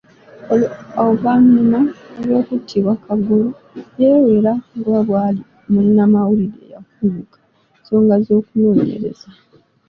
Ouvannyuma lw'okuttibwa Kagolo yeewera nga bw'ali munnamawulire eyakuguka mu nsonga z'okunnoonyereza.